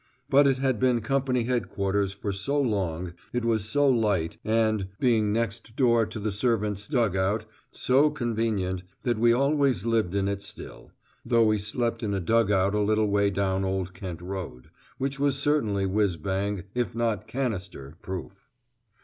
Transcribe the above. But it had been Company Headquarters for so long it was so light and, being next door to the servants' dug out, so convenient that we always lived in it still; though we slept in a dug out a little way down Old Kent Road, which was certainly whizz bang if not canister proof.